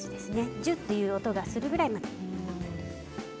じゅっという音がするぐらいまで。